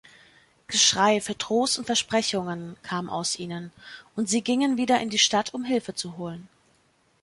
Geschrei für Trost und Versprechungen kam aus ihnen und sie gingen wieder in die Stadt, um Hilfe zu holen.